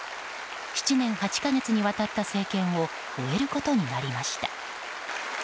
７年８カ月にわたった政権を終えることになりました。